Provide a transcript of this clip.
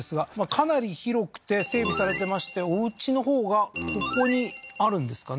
かなり広くて整備されてましておうちのほうがここにあるんですかね